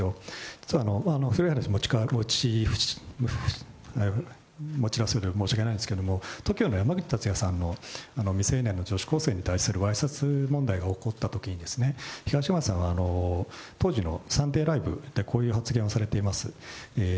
実は、古い話を持ち出すようで申し訳ないんですけど、ＴＯＫＩＯの山口達也さんの未成年の女子高生に対するわいせつ問題が起こったときに、東山さんは、当時のサンデーライブでこういう発言をされています。